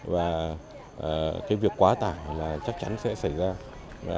và cái việc quá tải là chắc chắn sẽ xảy ra